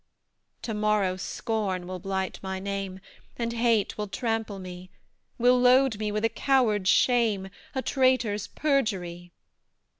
To morrow, Scorn will blight my name, And Hate will trample me, Will load me with a coward's shame A traitor's perjury.